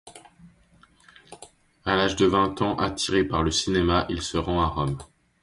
À l'âge de vingt ans, attiré par le cinéma, il se rend à Rome.